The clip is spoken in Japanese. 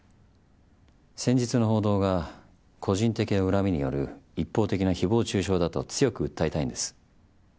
先日の報道が個人的な恨みによる一方的なひぼう中傷だと強く訴えたいんです。